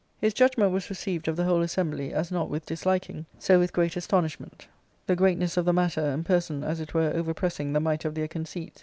His judgment was received of the whole assembly, as not with disliking, so with great astonishment, the greatness of the matter and person as it were overpressing the might of their conceits.